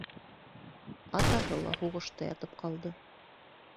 Атаһы ла һуғышта ятып ҡалды.